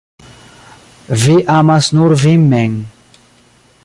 Vi amas nur vin mem.